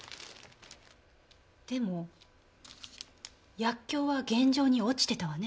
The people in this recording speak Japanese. でも薬莢は現場に落ちてたわね？